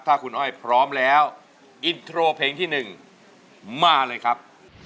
ถ้าคุณอ้อยพร้อมแล้วอินโทรเพลงที่๑มาเลยครับ